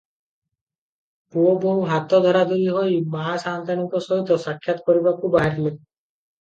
ପୁଅ ବୋହୁ ହାତ ଧରାଧରି ହୋଇ ମା ସାନ୍ତାଣୀଙ୍କ ସହିତ ସାକ୍ଷାତ୍ କରିବାକୁ ବାହାରିଲେ ।